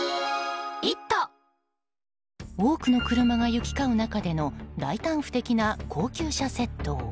多くの車が行き交う中での大胆不敵な高級車窃盗。